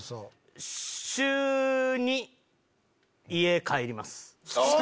週２家帰ります。